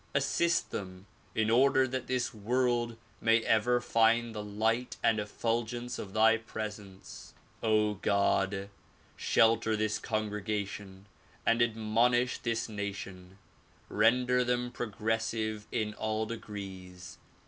Assist them in order that this w^orld may ever find the light and effulgence of thy presence. God ! shelter this congregation and admonish this nation. Render them progressive in all degrees.